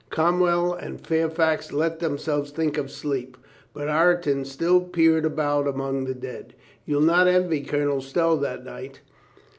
Cromwell and Fairfax let themselves think of sleep. But Ireton still peered about among the dead. You'll not envy Colonel Stow that night.